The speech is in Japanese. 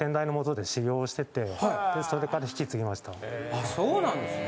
あそうなんですね。